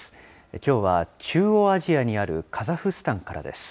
きょうは中央アジアにあるカザフスタンからです。